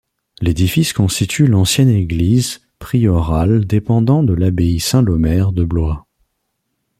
L'édifice constitue l'ancienne église priorale dépendant de l'Abbaye Saint-Laumer de Blois.